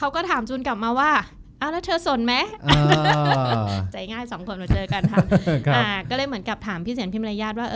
ก็เลยเหมือนกันถามพี่เศียรพิมรญญาติว่า